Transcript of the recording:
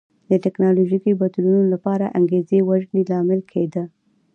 د ټکنالوژیکي بدلونونو لپاره انګېزې وژنې لامل کېده.